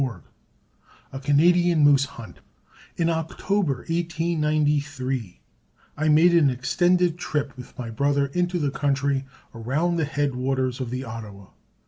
_ A Canadian Moose Hunt In October, 1893, I made an extended trip with my brother into the country around the head waters of the Ottawa.